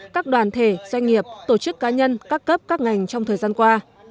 các đoàn thể doanh nghiệp tổ chức cá nhân các cấp các ngành trong thời gian qua